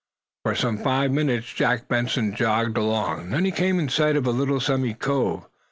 For some five minutes Jack Benson jogged along. Then he came in sight of a little semicove.